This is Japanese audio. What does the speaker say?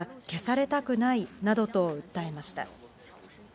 私たちは消されたくないなどと訴えました。